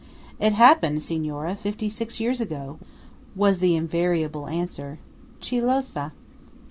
"It happened, Signora, fifty six years ago," was the invariable answer. "Chi lo sa?"